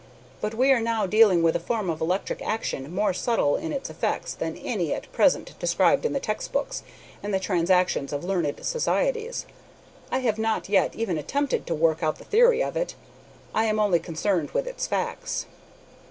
But we are now dealing with a form of electric action more subtile in its effects than any at present described in the text books and the transactions of learned societies. I have not yet even attempted to work out the theory of it. I am only concerned with its facts."